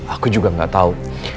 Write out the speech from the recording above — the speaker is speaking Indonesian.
aku juga gak tahu